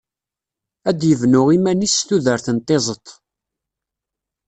Ad d-yebnu iman-is s tudert n tiẓedt.